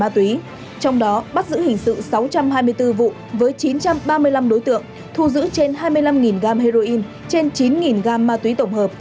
trong đó bắt giữ hình sự sáu trăm hai mươi bốn vụ với chín trăm ba mươi năm đối tượng thu giữ trên hai mươi năm gam ma túy tổng hợp